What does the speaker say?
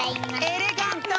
エレガント！